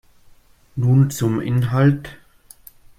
Nun zum Inhalt.